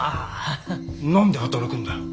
何で働くんだ？